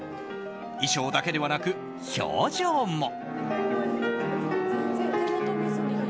衣装だけではなく表情も。